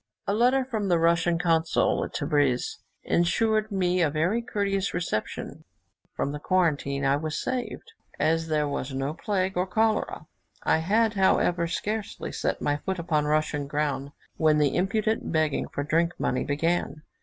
A letter from the Russian consul at Tebris ensured me a very courteous reception; from the quarantine I was saved, as there was no plague or cholera. I had, however, scarcely set my foot upon Russian ground, when the impudent begging for drink money began.